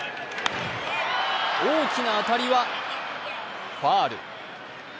大きな当たりはファウル。